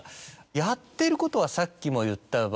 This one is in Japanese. やっていることはさっきも言った。